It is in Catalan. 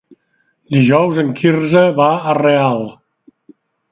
Dijous en Quirze va a Real.